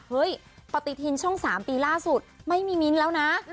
ปฏิทินช่อง๓ปีล่าสุดไม่มีมิ้นท์แล้วนะ